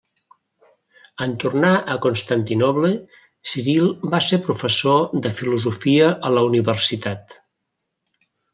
En tornar a Constantinoble, Ciril va ser professor de filosofia a la universitat.